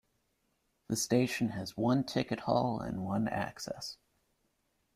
The station has one ticket hall and one access.